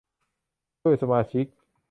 ด้วยสมาชิก